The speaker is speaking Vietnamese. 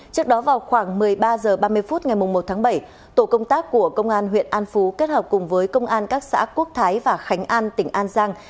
trước đó vào khoảng một mươi ba h ba mươi phút ngày một tháng bảy tổ công tác của công an huyện an phú kết hợp cùng với công an các xã quốc thái và khánh an tỉnh an giang